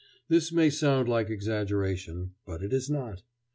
This may sound like exaggeration; but it is not.